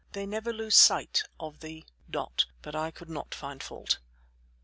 They never lose sight of the dot but I do not find fault.